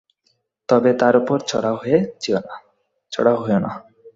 তবে তার উপর চড়াও হয়ো না।